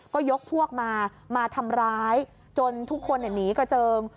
ก็ยกพวกมามาทำร้ายจนทุกคนหนีกระเจิง